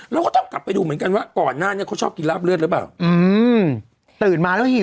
เราก็ต้องกลับไปดูเหมือนกันว่าก่อนหน้านี้เขาชอบกินราบเลือดหรือเปล่าอืมตื่นมาแล้วหิว